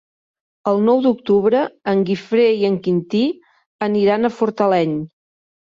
El nou d'octubre en Guifré i en Quintí aniran a Fortaleny.